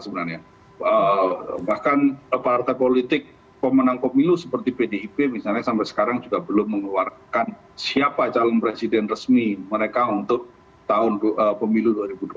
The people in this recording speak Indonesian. bahkan partai politik pemenang pemilu seperti pdip misalnya sampai sekarang juga belum mengeluarkan siapa calon presiden resmi mereka untuk tahun pemilu dua ribu dua puluh